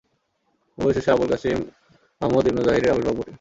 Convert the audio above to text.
অবশেষে Abul Qasim Ahmad ibn যাহিরের আবির্ভাব ঘটে।